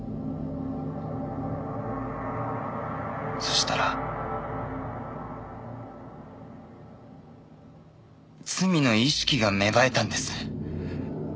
そしたら罪の意識が芽生えたんです。